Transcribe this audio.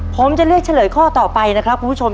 ผมจะเลือกเฉลยข้อต่อไปนะครับคุณผู้ชม